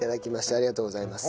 ありがとうございます。